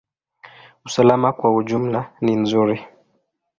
Usalama kwa ujumla ni nzuri.